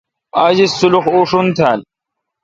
آج اس سخ اوشون تھال۔